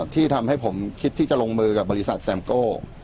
ที่ทำให้ผมคิดที่จะลงมือกับบริษัทแซมโก้